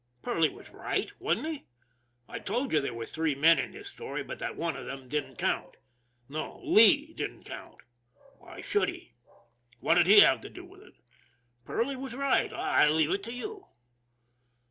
Perley was right, wasn't he ? I told you there were three men in this story, but that one of them didn't count. No, Lee didn't count. Why should he? 250 ON THE IRON AT BIG CLOUD What did he have to do with it? Perley was right, I leave it to you.